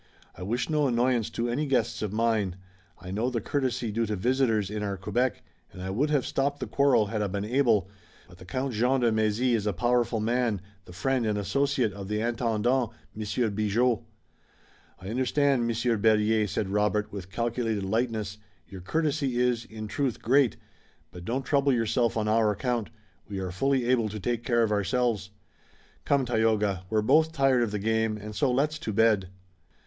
I wish no annoyance to any guests of mine. I know the courtesy due to visitors in our Quebec, and I would have stopped the quarrel had I been able, but the Count Jean de Mézy is a powerful man, the friend and associate of the Intendant, Monsieur Bigot." "I understand, Monsieur Berryer," said Robert, with calculated lightness; "your courtesy is, in truth, great, but don't trouble yourself on our account. We are fully able to take care of ourselves. Come, Tayoga, we're both tired of the game and so let's to bed."